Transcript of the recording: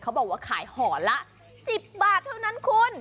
เขาบอกว่าขายห่อละ๑๐บาทเท่านั้นคุณ